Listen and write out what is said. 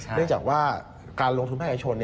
เนื่องจากว่าการลงทุนภาคเอกชน